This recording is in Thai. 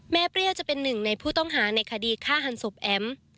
เปรี้ยวจะเป็นหนึ่งในผู้ต้องหาในคดีฆ่าหันศพแอ๋ม